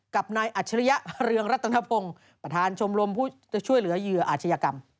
กับนายอัจฉริยะเรืองรัตนพงศ์ประธานชมรมผู้จะช่วยเหลือเหยื่ออาชญากรรม